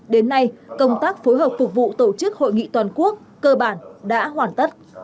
đến nay công tác phối hợp phục vụ tổ chức hội nghị toàn quốc cơ bản đã hoàn tất